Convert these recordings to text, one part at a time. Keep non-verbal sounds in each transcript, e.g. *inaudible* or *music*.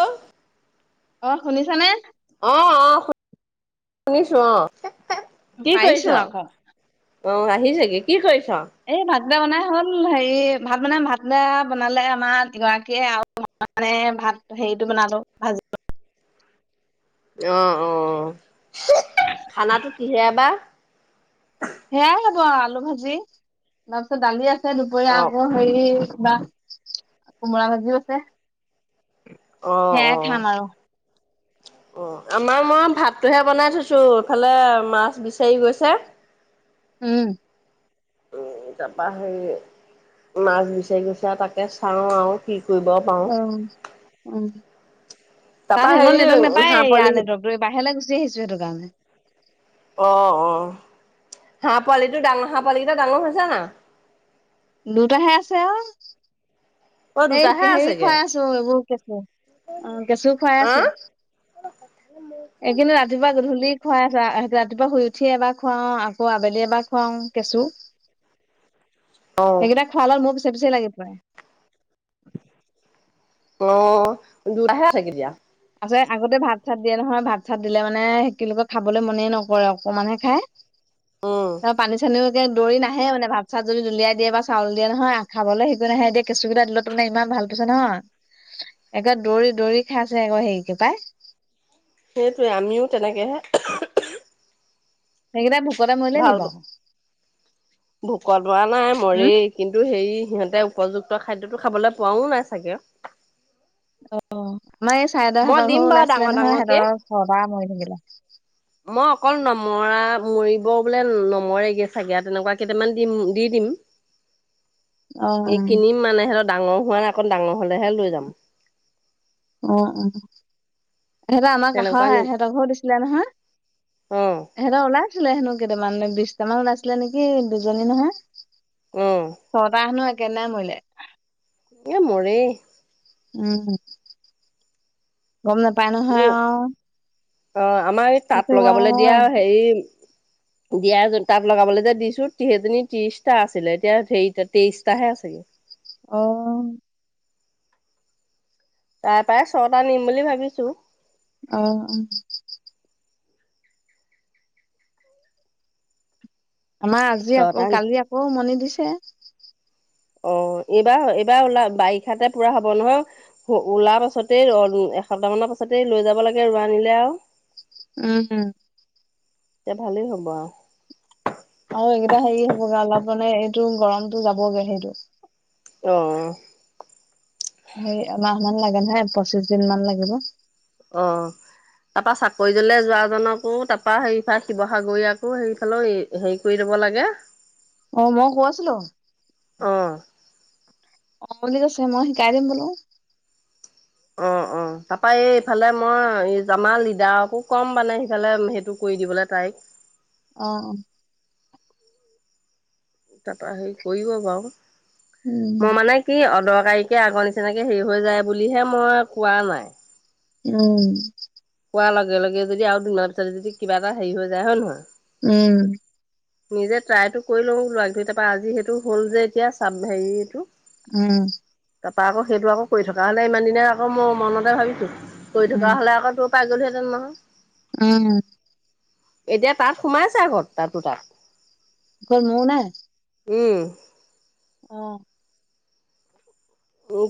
Hello অঁ শুনিছানে। অঁঃ অঁঃ শুনিছো অঁঃ পাইছো আকৌ অঁ আহিল চাগে কি কৰিছ এই ভাত ভাত বনাই হ'ল হেৰি ভাত মানে ভাত বনালে, আমাৰগৰাকীয়ে আৰু মানে ভাত হেৰিটো বনালো ভাজি অঁ অঁ খানাটো কিহেৰে বাৰ সেয়াই হব আলু ভাজি তাৰপিছত দালি আছে তে দুপৰি অ', আগ হেৰি বা কোমোৰা ভাজিওঁ আছে সেয়াই খাম আৰু অঁ আমাৰ মই ভাতটোহে বনাই থৈছো এইফালে মাছ বিচাৰি গৈছে উম উম তাৰপৰা হেৰি মাচ বিচাৰি গৈছে তাকে চাও আৰু কি কৰিব পাৰো। উম উম তাত তাৰপা সেইখন হেৰি নেটৱৰ্ক নাপায় হাঁহ পোৱালি ইয়াৰ নেটৱৰ্কটো বাহিৰলৈ গুচি আহিছো সেইটো কাৰণে অ', অ'। হাঁহ পোৱালিটো ডাঙৰ হাঁহ পোৱালি কেইটা ডাঙৰ হৈছে না দুটাহে আছে অঁ অ', হে দুটাহে হেৰি আছেগে। খুৱাই আছো এইবোৰ কেঁচু অঁ কেঁচু খুৱাই হা? আছো *inaudible* এই কিন্তু ৰাতিপুৱা গধূলি খুৱাই ৰাতিপুৱা শুই উঠি এবাৰ খুৱাও আকৌ আবেলি এবাৰ খুৱাও কেঁচু। অ', সেইগিটা খোৱা *unintelligible* মোক *unintelligible* অ' দূৰ আহে। *unintelligible* আছে আগতে ভাত-চাত দিয়ে নহয় ভাত-চাত দিলে মানে *unintelligible* খাবলৈ মনে নকৰে অকমানহে খাই। উম। *unintelligible* পানী চানিও *unintelligible* দৌৰি নাহে মানে ভাত-চাত যদি দলিয়াই দিয়ে বা চাউল দিয়ে নহয় খাবলৈ *unintelligible* নাহে এতিয়া কেঁচুকেইটা দোলত মানে ইমান ভাল পাইছো নহয় একে দৌৰি-দৌৰি খাইছে। *unintelligible* হেৰিকে পাই। সেইটোৱে আমিও তেনেকেহে সেইগিটা *unintelligible* মৰিলে ভাল নি বাৰু। ভোকত লৰা নাই মৰে উম কিন্তু হেৰি সিহঁতে উপযুক্ত তই খাদ্যতো খাবলৈ পোৱাও নাই চাগে। অহ' আমাৰ মই চাৰেদৰহত দিম ঘৰৰ বাৰু ওলাইছিলে ডাঙৰ নহয়, ডাঙৰকে। সিহঁতৰ ঘৰপা মৰি থাকিলে। *unintelligible* মই অকল নমৰা মৰিব বোলে নমৰেগে চাগে তেনেকুৱা কেইটামান দিম দি দিম। অ এই কিনিম মানে সিহঁত ডাঙৰ হোৱোই অকণ ডাঙৰ হ'লে হে লৈ যাম। উম, উম। এহঁতৰ আমাৰ কাষৰ তেনেকুৱা আহে নি এহেঁতৰ ঘৰৰ দিছিলে নহয় অ ইহঁতৰ ওলাই আছিলে হেনো। কেইটামান বিশটা মান ওলাইছিলে নেকি? দুজনী নহয়। অ ছটা হেনোঁ কেনে মইলে এই মৰেই উম। গম নাপায় নহয় আও। অ', আমাৰ এই তাঁত লগাবলৈ দিয়া হেৰি দিয়া *unintelligible* তাত লগাবলৈ যে দিছো টি সেইজনী ত্ৰিছটা আছিলে এতিয়া হেৰিতা তেইছটাহে আছেগে। অহ'। তাইপৰাই ছটা নিম বুলি ভাবিছোঁ। অহ'উম। আমাৰ আজি ছটা আকৌ, নি কালি আকৌ, উমনি দিছে। অ, এইবাৰ- এইবাৰ ওলা বাৰিষাতে পুৰা হ'ব নহয় ওলা পাছতেই এসপ্তাহ মানৰ পাছতেই লৈ যাব লাগে ৰোৱানিলে আৰু। উম, *unintelligible* এ ভালেই হ'ব আওঁ। আৰু এইকেইটা হেৰি হ'বগে অলপ মানে এইটো গৰমতটো যাবগে সেইটো। অঁ সেই এমাহ মান লাগে নহয় পঁচিশ দিন মান লাগিব। অ, তাৰপা চাকৰি জ্ব যোৱাজনকো তাৰপা তাত শিৱসাগৰীয়কো হেফালে হেৰি কৰি লব লাগে। অ, মই গৈছিলো। অ অ, বুলি কৈছে মই শিকাই দিম বোলো। অ', অ', তাৰাপা এই ইফালে মই এই আমাৰ লিডাৰকো ক'ম মানে সিফালে সেইটো কৰি দিবলৈ তাইক। অঁ। তাৰপৰা হেৰি কৰিব বাৰু। মোৰ উম। মানে কি অদৰ গাড়ীকে আগৰ নিচিনাকে হেৰি হৈ যায় বুলিহে মই কোৱা নাই। উম। পোৱাৰ লগে, লগে যদি আৰু দুদিনমান পিছত যদি কিবা এটা হেৰি হৈ যায় হয়, নহয়। উম। নিজে ট্ৰাইটো কৰি লওঁ বোলো আগধৰি তাৰপৰা আজি সেইটো হল যে এতিয়া চাব হেৰিটো। উম। তাৰপৰা আকৌ সেইটো আকৌ কৰি থকা হ'লে ইমান দিনে আকৌ মই মনতে ভাবিছোঁ। কৰি থকা উম, হলে আকৌ তোক পাইগলোহেটন নহয়। উম। এতিয়া তাত সোমাইছে আগৰত তাতো তাত। ক'ত মূৰ নাই। উম। অঁ।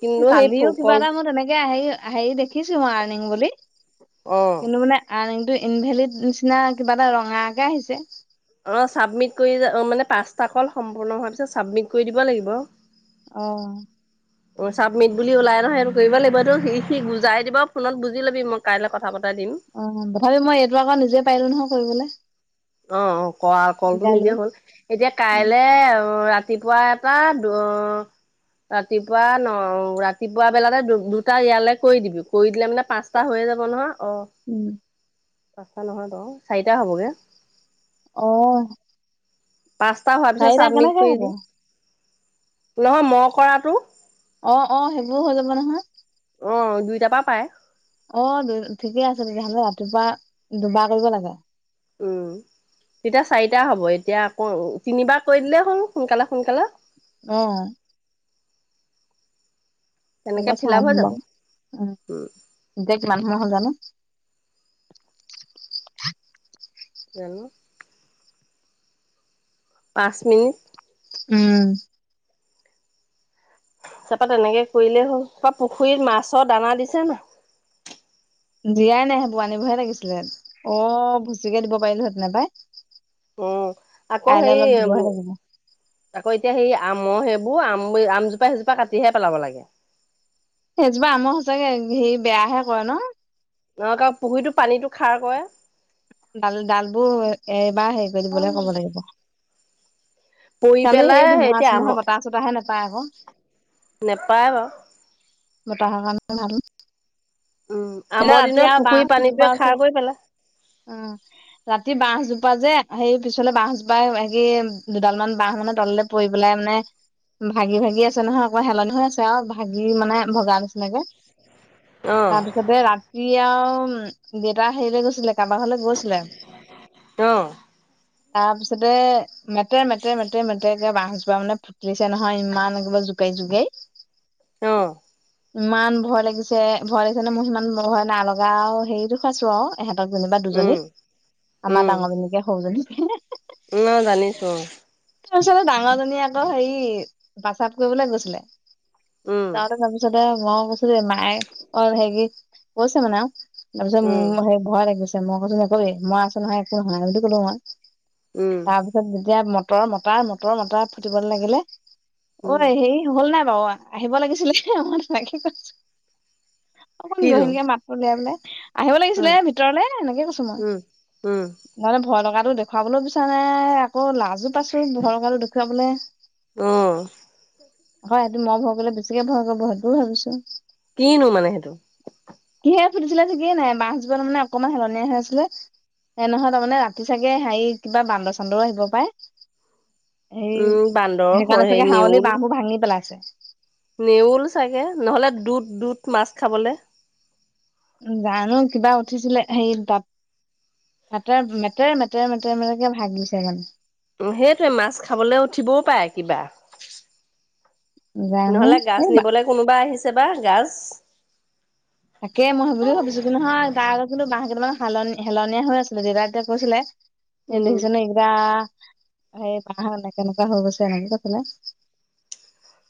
কিন্তু সেই কালিও কিবা কল এটা মোৰ তেনেকে আহে আহে দেখি লিখিছোঁ মই আৰ্নিং বুলি। অ'। কিন্তু মানে আৰ্নিংটো ইনভেলীড নিচিনা কিবা এটা ৰঙাকে আহিছে। অঁ, ছাবমিট কৰি মানে পাঁচটা কল সম্পূৰ্ণ হোৱাৰ পিছত চাবমিট কৰি দিব লাগিব। অঁ। অ চাবমিট বুলি ওলাই নহয় সেইটো কৰিব লাগিবটো সি সি বুজাই দিব ফোনত বুজি লবি মই কাইলৈ ক অ তথাপি মই এইটো আকৌ নিজে পাৰিলো নহয় কৰিবলৈ অ অ কল কলটো উলিয়াই নিজে লৈ হ'ল এতিয়া কাইলে ৰাতি ৰাতিপুৱা এটা ৰাতিপুৱা ন ৰাতিপুৱা বেলাতে দু দুটা ইয়ালৈ কৰি দিবি কৰি দিলে মানে পাঁচটা হৈয়ে যাব নহয় অ উম পাঁচটা নহয় বাৰো চাৰিটা হবগে অঁ পাঁচটা হোৱাৰ পিছত চাবমিট কৰি দি নহয় ম কৰাটো অ অ সেইবোৰ হৈ যাব নহয় অ দুইটাৰ পৰা পাই অ দু ঠিকে আছে তেতিয়াহলে ৰাতিপুৱা দুবাৰ কৰিব লাগে। উম তেতিয়া চাৰিটা হ'ব এতিয়া আকৌ তিনিবাৰ কৈ দিলে হ'ল সোনকালে সোনকালে আহ এব তেনেকে ফিল চাওঁ আপ হৈ যাব বাৰ উম উম এতিয়া কিমান সময় হ'ল জানো। জনো পাঁচ মিনিট উম ত তাপা তেনেকে কৰিলেই হ'ল ত পুখুৰীত মাছৰ দানা দিছে না জীয়াই নাই সেইবোৰ আন বহে লাগিছিলে অ ভুচিকে দিব পাৰিলোহেতে নাপাই। উম আকৌ সেই উ লাগিব। আকৌ এতিয়া সেই আমৰ সে এইবোৰ আম আমজোপা সেইজোপা কাটিহে পেলাব লাগে। সেইজোপা আমাক সচাকে হে বেয়াহে কৰে ন নহ পুহুৰটো পানীতটো খাৰ ক ডাল ডাল বোৰ এইবাৰ হেৰি কৰি দিবলৈ কব লাগিব। পৰি খালি সেই পেলাই ধুমুহা এতিয়া চুমুহা বতাহ চতাহে নোপায় আকৌ নোপায় বাৰু মটাহ কাৰ *unintelligible* ভাল উম সেইদিনা আমৰ ৰাতি দিনত পুখুৰী পানীটোৱে খাৰ কৰি পেলা উম ৰাতি বহজোপা যে সেই পিছলে বহজোপাই হেৰি দুডাল মান বাহ মানে তললে পৰি পেলাই মানে ভাগি ভাগি আছে নহয় আকৌ হেলনি হৈ আছে আৰু ভাগি মানে ভগা নিচিনাকে। অ তাৰপিছতে ৰাতি আৰু উম দেউতা হেৰিৰে গৈছিলে কাবাৰ ঘৰলে গৈছিলে। অ তাৰপিছতে মেতে মেতে মেতে মেতে একাৰে বহজোৰা মানে ফুটিছে নহয় ইমান একেবাৰে জোকাৰি জোকাৰি আহ ইমান ভয় লাগিছে ভয় লাগিছে নে মোৰ সিমান ভয় নালগা আৰু হেৰিতটো খাইছো আৰু এহঁ দুজনী বা দুজনী উম আমাৰ উম ডাঙৰজনীকে সৰুজনী হ ন জানিছো অ ছোৱালী ডাঙৰ জনী আকৌ হেৰি বাচাপ কৰিবলৈ গৈছিলে। উম ছাৰ তাৰ পিছতে মই কৈছো মায়ে অ হেৰি কৈছে মানে তাৰপিছত মোৰ উম মানে ভয় লাগে সি কৈছে মই কৈছো নকবি মই আছো নহয় একো নহয় সেইটো কলো মই উম তাৰপিছত যেতিয়া মত তাৰ মতা ৰ *unintelligible* ঋমতা মটৰ মতা ফুটিবলৈ লাগিলে অ উম সেৰি হ'ল নাই অ আহিব লাগিছিলে *unintelligible* মাকে ক অকমান কিনো গহীণকে মাতটো বেয়া বোলে। আহিব লাগিছিলে। উম ভিতৰলে এনেকে কৈছো মই উম উম মই ভয় লগাত তো দেখুওৱা লৈ বিচাৰ নাই আকৌ লাজো পাইছো ভৰৰ কাল দেখুৱাবলে। উম, হয় সেইটো মই ভয় কৰিলে বেছিকে ভয় কৰিব সেইটোও ভাবিছো। কিনো মানে সেইটো? সে ফুলিছিলে নেকি নাই মাছ যোৱা মানে। অকমান হেলনীয়া হৈ আছিলে সে নহয় তাৰমানে ৰাতি চাগে হেৰি কিবা বান্দৰ-চান্দৰও আহিব পাৰে। এই উম বান্দৰ সেইকাৰণে হেৰি চাগে হাৱলি নেউল বাহহবোৰ ভাঙি পেলাইছে। *inaudible* নেউল চাগে নহলে দুদ-দুদ মাছ খাবলে। উম, জানো কিবা উঠিছিলে হে তাঁত তাতেৰ মেটৰ-মেটেৰ-মেটৰ-মেটৰকে ভাগিছে মানে। সেইটোৱে মাছ খাবলৈ উঠিবও পাৰে কিবা। জানো নহলে গাছ এই নিবলৈ কোনোবা আহিছি চেবা গাজ। তাকে মই বুলিও ভাবিছো কিন্ত নহয় তাৰ আগত কিন্তু বাঁহ কেইটামান হালনি হেলনীয়া হৈ আছিলে দেতা তেতিয়া কৈছিলে। এন্দুৰ উম হৈচেনে কিবা। এই বাহ এনে কেনেকুৱা হৈ গৈছে এনেকে কলে।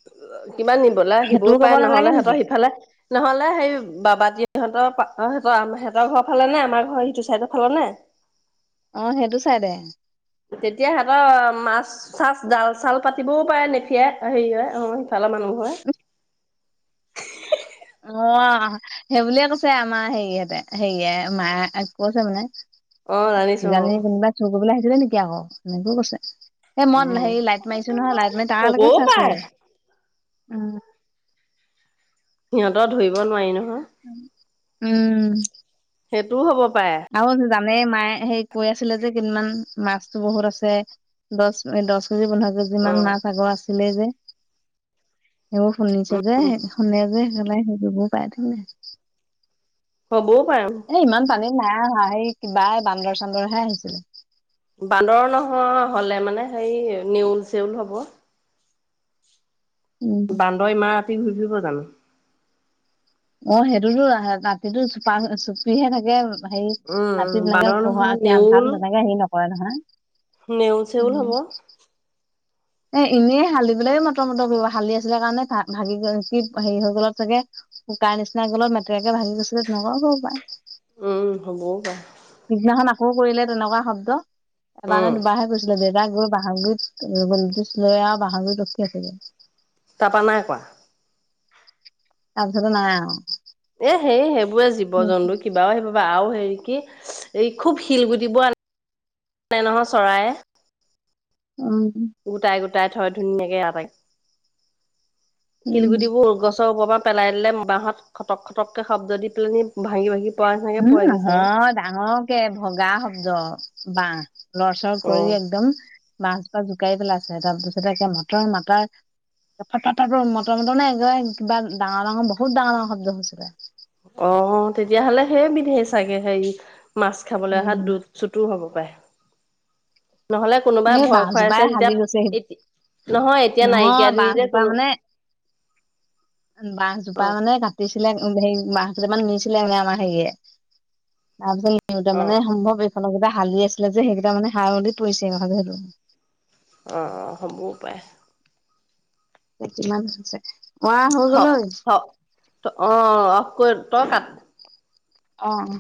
ত *unintelligible* কিবা নিবলৈ আহিবও পাৰে নালাগে নহলে নেকি? সিহঁতৰ সিফালে নহলে সেই বাবাটি সিহঁতৰ সিহঁৰ-সিহঁতৰ ফালে নে আমাৰ ঘৰ সিটো চাইডৰ ফালে নে? অ' সেইটো চাইদে। তেতিয়া সিহতৰ মাছ, চাছ, ডাল, চাল পাতিবও পাৰে নেফিয়াই হেৰি হয়। ভালা মানুহ হয় অ' সেই বুলিয়ে কৈছে আমাৰ হেৰিতে-হেৰিয়ে মায় কৈছে মানে, অ জানিছো অ কিজানি কোনোবা চুৰ কৰিবলৈ আহ সুধিবি নেকি আকৌ, মানে ভুল কৰছে। এ ময় উম হেৰি লাইট মাৰিছো নহয়, লাইট মাৰি হ'বও তাৰলৈকে চাইছো। পাৰে উম, সিহঁতৰ ধৰিব নোৱাৰি ন উম। উম। সেইটোও হ'ব পাৰে আৰু ধৰি জানে মায়ে, সেই কৈ আছিলে যে কেইদিনমান মাছতো বহুত আছে। দশ এ দশ কেজি-পোন্ধৰো অ কেজিমান মাছ আগৰ আছিলে যে। এয়ো, উ শুনিছে যে। এ শুনে যে জ্বলাই লৈ লব‌ও পাই *unintelligible* হ'ব‌ও। এনে ইমান পানী নাই হোৱা। সেই কিবা বান্দৰ চান্দৰহে আহিছিলে। বান্দৰ নহ হলে মানে সেই নেউল-চেউল হ'ব। উম বান্দৰ ইমা টি ঘূৰি ফুৰিব জানো? অ', সেইটোতো ৰাহ-ৰাতিটো চোপা-চুপিহে থাকে কে হেৰি উম উম ৰাতি তেনেকে বান্দৰ পোহাৰতকে আন্ধাৰত তেনেকে হেৰি নকৰে নহ হা? নেউল-চেউল হ'ব। এ এনেই হালি পেলাই মটৰ-মটৰ কৰিব, হালি আছিলে কাৰণে তাত ভা-ভাগি গৈ কি হেৰি হৈ গ'লত চাগে, শুকাৰ নিচিনা গলত মেটেৰাকে ভাগি গৈছে। তেনেকুৱাও হ'ব পায়। উম, হ'ব‌ও পাৰে। পিছদিনাখন আকৌ কৰিলে তেনেকুৱা শব্দ। এবাৰ নে উম দুবাৰহে কৰিছিলে। ডেৰ যা গৈ বাঁহৰ গুৰিত এ অকণ পিছ লৈ আৰু বাঁহৰ গুৰিত ৰখি আছিলে। তাৰপৰা নাই কৱা। তাৰ পিছতে নাই আও। এ সেই-সেইবোৰে জীৱ-জন্তু কিবাও আহিব পই আও হেৰি কি, এই খুব শিলগুটিবোৰ আনে নহয় চৰায়ে। উম। গুটায় থয় ধুনীয়াকে অ', তাকে। উম শিলগুটিবোৰ গছৰ উপৰ পা। পেলাই দিলে বাঁহত খটক খটকে শব্দ দি পেলনি ভাঙি ভাঙি। পৰা নিচিনাকে উম পৰেগে চাগে নহয়, ডাঙৰকে ভগা শব্দ বাঁহ। লৰচৰ কৰি অ একদম, বাঁহ। ত জোকাৰি পেলাইছে তাৰপিছত একে মটৰ মটাৰ, ফ ফৰ ফৰ মটৰ মটৰ নে একাৰে কিবা ডাঙৰ ডাঙৰ বহুত ডাঙৰ ডাঙৰ শব্দ হৈছিলে। অ তেতিয়াহলে সেইয বিধে চাগে হেৰি। মাছ খাবলৈ অহা উম দু চুটো হ'ব। পায়। এই বাঁহজোপাই হালি গৈছে সি। এতি নহয় এতিয়া নহয় নাইকিয়া দিন যে বাঁহজোপা কোনো মানে, বাঁহজোপা অ মানে কাটিছিলে হেৰি বাঁহ। *unintelligible* নিছিলে মানে আমাৰ সেইয়ে তাৰপিছত। সিহঁতৰ অ মানে সম্ভৱে সেইফালে কিবা হালি আছিলে যে সেইকেইটা মানে হাউলি পৰিছে সেই হ'ব দিয়াক। অঁ অঁ হ'বও পাৰে। কিমান হৈছে? মই হৈ হ গ'ল ঐ হ ত অ আকোন? কেইটাত? অঃ।